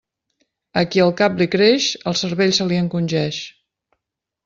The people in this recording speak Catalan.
A qui el cap li creix, el cervell se li encongeix.